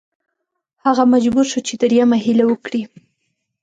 هغه مجبور شو چې دریمه هیله وکړي.